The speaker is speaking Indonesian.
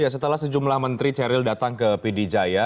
setelah sejumlah menteri ceril datang ke pd jaya